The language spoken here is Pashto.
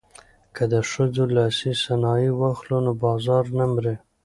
که د ښځو لاسي صنایع واخلو نو بازار نه مري.